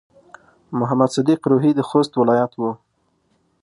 محمد صديق روهي د خوست ولايت و.